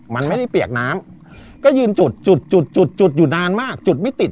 มันไม่ได้เปียกน้ำก็ยืนจุดจุดจุดจุดจุดอยู่นานมากจุดไม่ติด